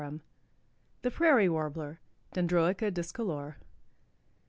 ] THE PRAIRIE WARBLER. (_Dendroica discolor.